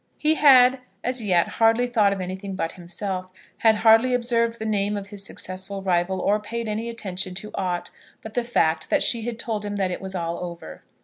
He had as yet hardly thought of anything but himself; had hardly observed the name of his successful rival, or paid any attention to aught but the fact that she had told him that it was all over.